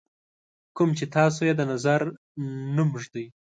کوم چې تاسو یې د نظر نوم ږدئ.